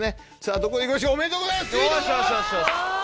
ありがとうございます。